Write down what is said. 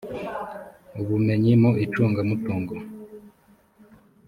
ubumenyi mu icunga mutungo